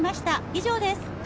以上です。